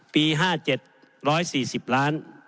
ปี๕๗๔๐ล้าน